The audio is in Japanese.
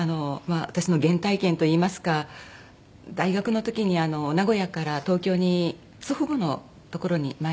私の原体験といいますか大学の時に名古屋から東京に祖父母の所にまいりまして。